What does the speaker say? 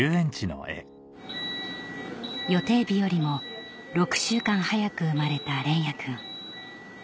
予定日よりも６週間早く生まれた連也君